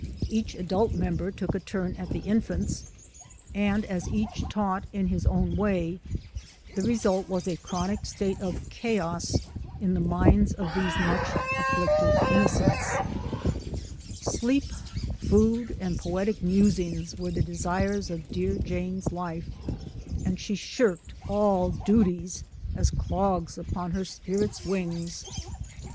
Each adult member took a turn at the infants; and, as each taught in his own way, the result was a chronic state of chaos in the minds of these mudi afflicted innocents. Sleep, food, and poetic musings were the de sires of dear Jane's life, and she shirked all duties Digitized by VjOOQ IC TRANSCENDENTAL WILD OATS 163 as clogs upon her spirit's wings.